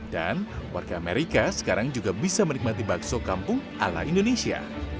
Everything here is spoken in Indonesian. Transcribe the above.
dan warga amerika sekarang juga bisa menikmati bakso kampung ala indonesia